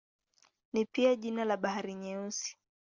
Ni pia jina la Bahari Nyeusi.